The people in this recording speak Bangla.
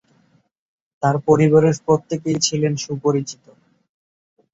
তার পরিবারের প্রত্যেকেই ছিলেন সুপরিচিত।